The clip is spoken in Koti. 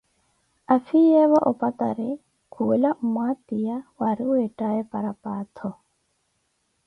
Afiyeevo opatari khuwela mmwatiya wari weethaye parapaattho.